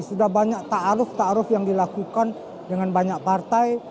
sudah banyak ta'aruf ta'aruf yang dilakukan dengan banyak partai